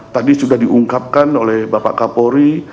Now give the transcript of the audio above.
tadi sudah diungkapkan oleh bapak kapolri